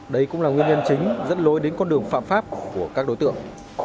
đây cũng là nguyên nhân chính dẫn lối đến con đường phạm pháp của các đối tượng